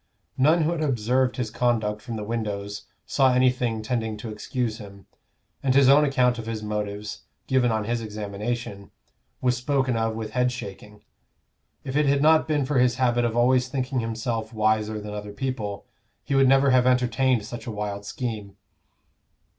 None who had observed his conduct from the windows saw anything tending to excuse him, and his own account of his motives, given on his examination, was spoken of with head shaking; if it had not been for his habit of always thinking himself wiser than other people, he would never have entertained such a wild scheme.